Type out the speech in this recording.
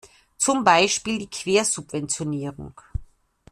Zum Beispiel die Quersubventionierung.